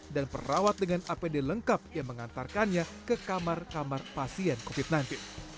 dan perawat dengan apd lengkap yang mengantarkannya ke kamar kamar pasien covid sembilan belas